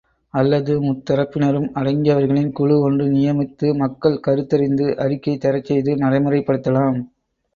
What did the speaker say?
அல்லது முத்தரப்பினரும் அடங்கியவர்களின் குழு ஒன்று நியமித்து, மக்கள் கருத்தறிந்து, அறிக்கை தரச்செய்து நடைமுறைப்படுத்தலாம்.